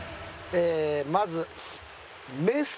まず。